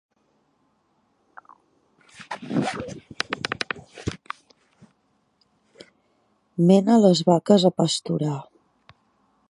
Mena les vaques a pasturar.